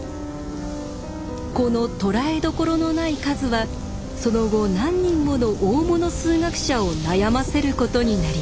このとらえどころのない数はその後何人もの大物数学者を悩ませることになります。